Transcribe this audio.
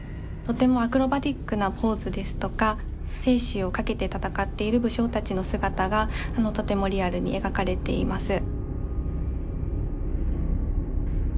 とてもアクロバティックなポーズですとか生死をかけて戦っている武将たちの姿がとてもリアルに描かれています。